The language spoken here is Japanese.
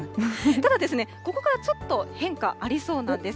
ただですね、ここからちょっと変化ありそうなんです。